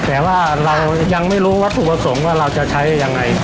แต่ว่าเรายังไม่รู้วัตถุประสงค์ว่าเราจะใช้ยังไง